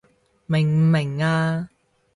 明唔明啊？